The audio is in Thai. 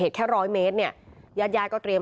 คือตอนที่แม่ไปโรงพักที่นั่งอยู่ที่สพ